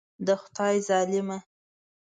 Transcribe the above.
د خدای ظالمه.